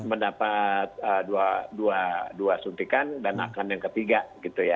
mendapat dua suntikan dan akan yang ketiga gitu ya